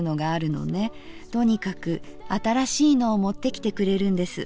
とにかく新しいのを持って来てくれるんです。